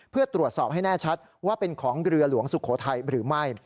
เพื่อตรวจสอบให้แน่ชัดว่าเป็นของเรือหลวงสุโขทัยหรือไม่